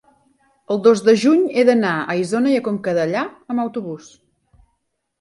el dos de juny he d'anar a Isona i Conca Dellà amb autobús.